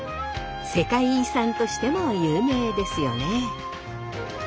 世界遺産としても有名ですよね。